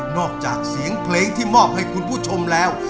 จากเสียงเพลงที่มอบให้คุณผู้ชมแล้ว